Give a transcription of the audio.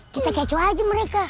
kita kecoh aja mereka